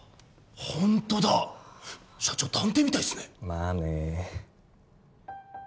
ホントだ社長探偵みたいっすねまあね